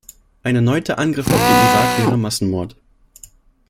Ein erneuter Angriff auf den Irak wäre Massenmord.